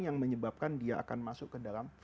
yang menyebabkan dia akan masuk ke dalam